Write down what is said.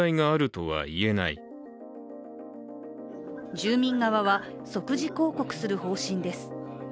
住民側は、即時抗告する方針です。